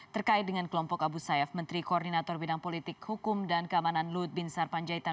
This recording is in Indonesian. terkait dengan kelompok abu sayyaf menteri koordinator bidang politik hukum dan keamanan luhut bin sarpanjaitan